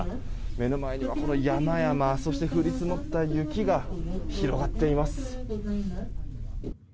目の前には山々そして降り積もった雪が広がっています。